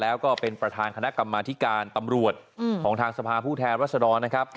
แล้วก็เป็นประธานคณะกรรมาธิการตำรวจของทางสภาผู้แทนรัศดรนะครับ